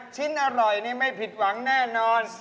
ชิ้นอร่อยนี่ไม่ผิดหวังแน่นอน